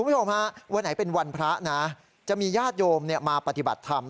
คุณผู้ชมฮะวันไหนเป็นวันพระนะจะมีญาติโยมมาปฏิบัติธรรม